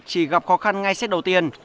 chỉ gặp khó khăn ngay set đầu tiên